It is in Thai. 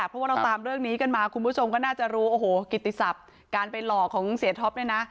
เพราะว่าเราตามเรื่องนี้กันมาคุณผู้ชมก็น่าจะรู้โอ้โหกิติศัพท์การไปหลอกของเสียท็อปเนี่ยนะ